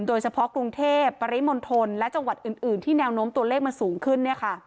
โดยเฉพาะกรุงเทพปริมณฑลและจังหวัดอื่นที่แนวโน้มตัวเลขมันสูงขึ้น